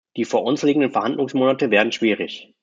Die vor uns liegenden Verhandlungsmonate werden schwierig.